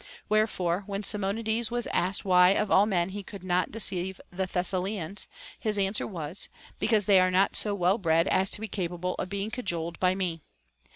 Where fore, when Simonides was asked why of all men he could not deceive the Thessalians, his answer was, Because they are not so well bred as to be capable of being cajoled by me.